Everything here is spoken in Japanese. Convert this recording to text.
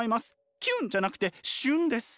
キュンじゃなくてシュンです。